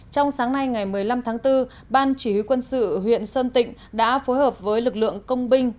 trong sáng nay ngày một mươi năm tháng bốn ban chỉ huy quân sự huyện sơn tịnh đã phối hợp với lực lượng công binh